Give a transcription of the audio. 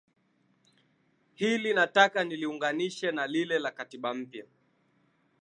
Hili nataka niliunganishe na lile la Katiba Mpya